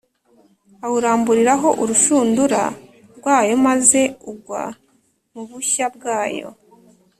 awuramburiraho urushundura rwayo maze ugwa mu bushya bwayo